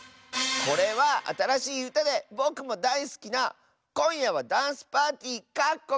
これはあたらしいうたでぼくもだいすきな「こんやはダンスパーティー」！